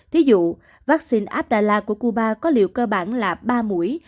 thí dụ vaccine abdalla của cuba có liệu cơ bản là ba mũi